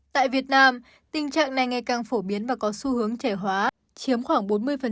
tại việt nam tình trạng này ngày càng phổ biến và có xu hướng trẻ hóa chiếm khoảng bốn mươi